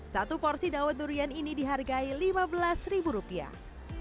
satu porsi daun durian ini dihargai lima belas rupiah